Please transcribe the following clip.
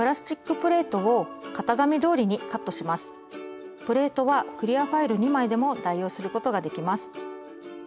プレートはクリアファイル２枚でも代用することができます。